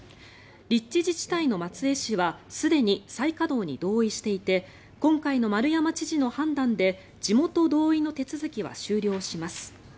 立地自治体の松江市はすでに再稼働に同意していて今回の丸山知事の判断で地元同意の手続きは終了します。